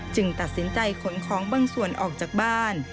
ตัดสินใจขนของบางส่วนออกจากบ้าน